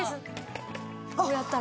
こうやったら。